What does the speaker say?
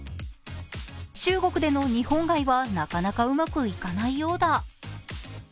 中国での日本人街はなかなかうまくいかないようだ。